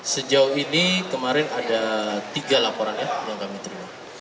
sejauh ini kemarin ada tiga laporan ya yang kami terima